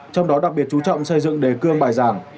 trong đó đặc biệt chú trọng xây dựng đề cương bài giảng